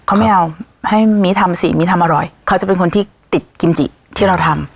เขาไม่เอาให้มีทำสิมีทำอร่อยเขาจะเป็นคนที่ติดกิมจิที่เราทำ